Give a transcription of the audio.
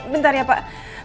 bentar ya pak